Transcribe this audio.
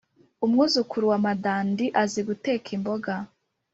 umwuzukuru wa madandi azi guteka imboga.